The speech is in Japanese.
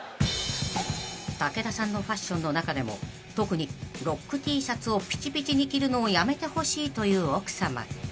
［武田さんのファッションの中でも特にロックＴシャツをピチピチに着るのをやめてほしいという奥さま］